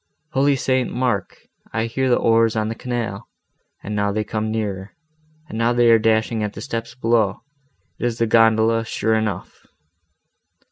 Holy St. Mark! I hear the oars on the canal; and now they come nearer, and now they are dashing at the steps below; it is the gondola, sure enough."